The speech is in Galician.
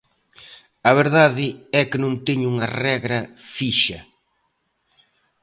A verdade é que non teño unha regra fixa.